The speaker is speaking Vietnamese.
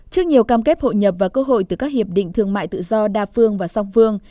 trước nhiều cam kết hội nhập và cơ hội từ các hiệp định thương mại tự do đa phương và song phương